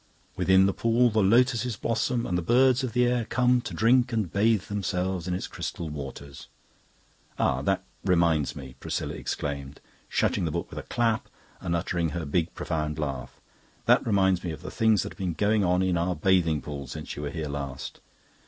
Within the pool the Lotuses blossom, and the birds of the air come to drink and bathe themselves in its crystal waters...' Ah, and that reminds me," Priscilla exclaimed, shutting the book with a clap and uttering her big profound laugh "that reminds me of the things that have been going on in our bathing pool since you were here last.